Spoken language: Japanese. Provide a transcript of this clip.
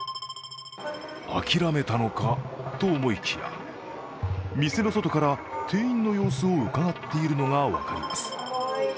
あきらめたのかと思いきや、店の外から店員の様子をうかがっているのが分かります。